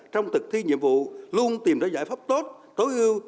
trong thực thi nhiệm vụ luôn tìm ra giải pháp tốt tối ưu